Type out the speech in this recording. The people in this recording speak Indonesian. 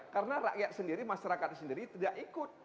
karena rakyat sendiri masyarakat sendiri tidak ikut